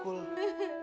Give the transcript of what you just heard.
kurang aku apa